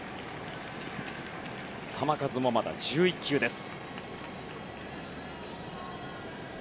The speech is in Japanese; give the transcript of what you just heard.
球数もまだ１１球です。